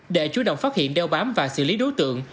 để chú động phát hiện đeo bám và xử lý đối tượng